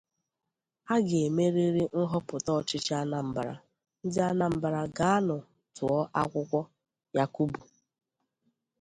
A Ga-Emerịrị Nhọpụta Ọchịchị Anambra, Ndị Anambra Gaanụ Tụọ Akwụkwọ — Yakubu